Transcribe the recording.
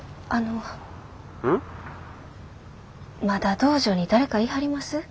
まだ道場に誰かいはります？